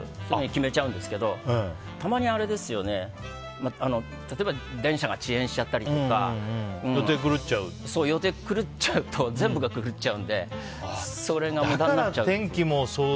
決めちゃうんですけどたまに、例えば電車が遅延したり予定狂っちゃうと全部が狂っちゃうのでそれが無駄になっちゃうという。